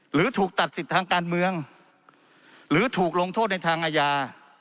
หรือถูกตัดสิทธิ์ทางการเมืองหรือถูกลงโทษในทางอาญา